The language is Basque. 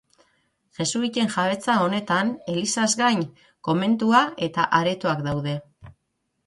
Jesuiten jabetza honetan elizaz gain, komentua eta aretoak daude.